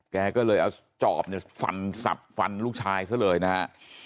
แกก็เลยเอาจอบเนี่ยฟันสับฟันลูกชายซะเลยนะฮะ